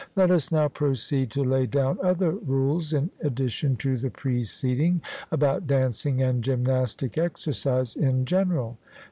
Let us now proceed to lay down other rules in addition to the preceding about dancing and gymnastic exercise in general.